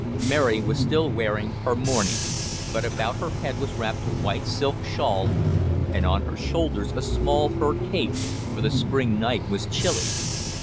Mary was still wearing her mourning; but about her head was wrapped a white silk shawl, and on her shoulders a small fur cape, for the spring night was chilly.